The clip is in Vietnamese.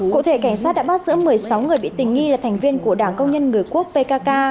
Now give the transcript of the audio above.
cụ thể cảnh sát đã bắt giữ một mươi sáu người bị tình nghi là thành viên của đảng công nhân người quốc pkk